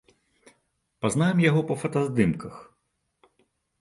Пазнаем яго па фотаздымках.